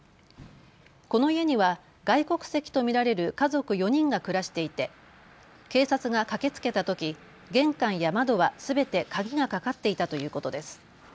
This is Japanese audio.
この家には外国籍と見られる家族４人が暮らしていて警察が駆けつけたとき玄関や窓はすべて鍵がかかっていたということです。